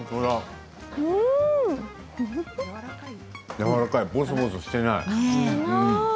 やわらかい、ぼそぼそしていない。